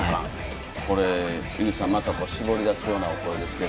これ、井口さんまた絞り出すようなお声ですが。